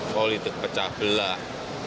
politik pecah belah